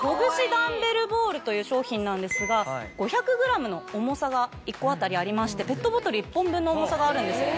ダンベルボールという商品なんですが５００ｇの重さが１個当たりありましてペットボトル１本分の重さがあるんです。